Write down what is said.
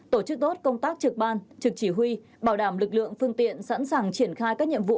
tổ chức tốt công tác trực ban trực chỉ huy bảo đảm lực lượng phương tiện sẵn sàng triển khai các nhiệm vụ